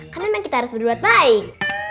karena memang kita harus berbuat baik